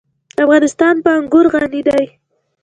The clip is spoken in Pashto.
افغانستان په انګور غني دی.